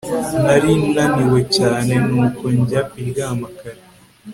Nari naniwe cyane nuko njya kuryama kare